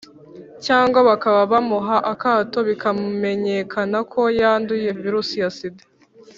cyangwa bakaba bamuha akato bikamenyakana ko yanduye virusi ya sida,